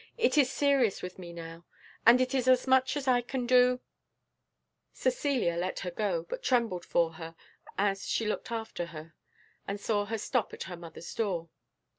"It is serious with me now, and it is as much as I can do " Cecilia let her go, but trembled for her, as she looked after her, and saw her stop at her mother's door.